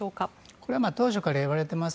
これは当初からいわれています